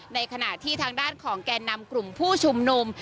ในขณะที่ทางด้านของแก่นำกลุ่มผู้ชุมนุม